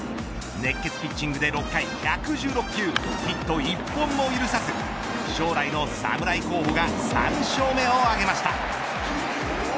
熱血ピッチングで６回１１６球ヒットを１本も許さず将来の侍候補が３勝目を挙げました。